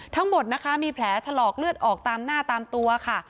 ทั้งหมดนะคะมีแผลถลอกเลือดออกตามหน้าตามตัวค่ะ